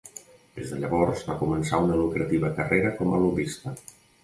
Des de llavors va començar una lucrativa carrera com a lobbista.